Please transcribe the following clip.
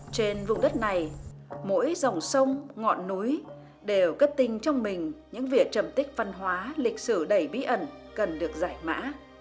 trên vùng đất này mỗi dòng sông ngọn núi đều ở kết tinh trong mình những vỉa trầm tích văn hóa lịch sử đầy bí ẩn cần được giải mã